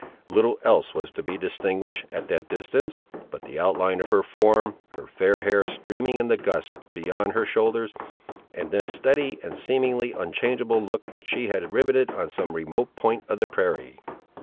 Little else was to be distinguished, at that distance, but the outline of her form, her fair hair streaming in the gusts beyond her shoulders, and the steady and seemingly unchangeable look that she had riveted on some remote point of the prairie.